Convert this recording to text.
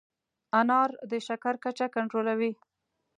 انار د شکر کچه کنټرولوي.